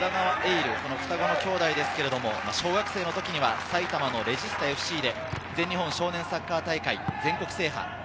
琉、この双子の兄弟ですけれど、小学生の時には埼玉のレジスタＦＣで全日本少年サッカー大会全国制覇。